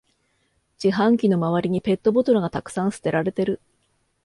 自販機の周りにペットボトルがたくさん捨てられてる